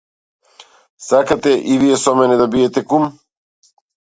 Сакате и вие со мене да бидете кум?